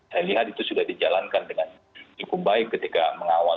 saya lihat itu sudah dijalankan dengan cukup baik ketika mengawal